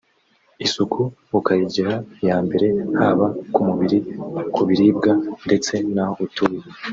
isuku ukayigira iya mbere haba ku mu biri ku biribwa ndetse n’aho utuye